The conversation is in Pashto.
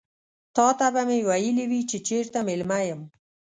تاته به مې ويلي وي چې چيرته مېلمه یم.